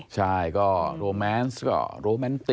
ใช่ก็โรแมนซ์ก็โรแมนติก